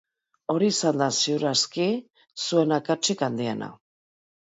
Hori izan da ziur aski zuen akatsik handiena.